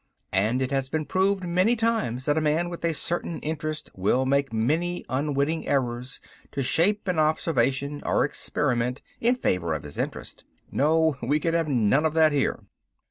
And it has been proved many times that a man with a certain interest will make many unwitting errors to shape an observation or experiment in favor of his interest. No, we could have none of that here.